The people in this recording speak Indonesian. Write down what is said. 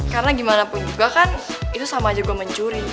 karena gimana pun juga kan itu sama aja gue mencuri